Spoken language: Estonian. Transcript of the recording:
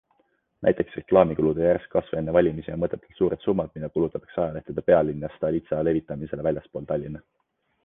Näiteks reklaamikulude järsk kasv enne valimisi ja mõttetult suured summad, mida kulutatakse ajalehtede Pealinn ja Stolitsa levitamisele väljaspoole Tallinna.